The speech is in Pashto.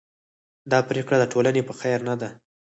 دا پرېکړه د ټولنې په خیر نه ده.